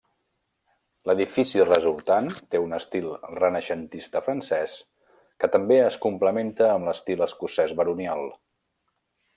L'edifici resultant té un estil renaixentista francès que també es complementa amb l'estil escocès baronial.